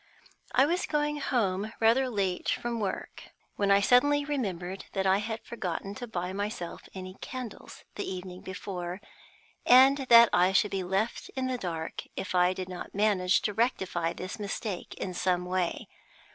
I was going home rather late from where I work, when I suddenly remembered that I had forgotten to buy myself any candles the evening before, and that I should be left in the dark if I did not manage to rectify this mistake in some way.